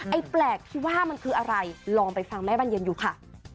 แปลกที่ว่ามันคืออะไรลองไปฟังแม่บรรเย็นดูค่ะ